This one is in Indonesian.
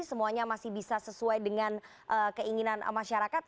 semuanya masih bisa sesuai dengan keinginan masyarakat